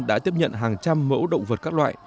đã tiếp nhận hàng trăm mẫu động vật các loại